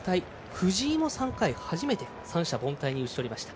藤井も初めて三者凡退に打ち取りました。